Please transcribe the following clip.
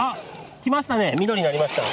きましたね。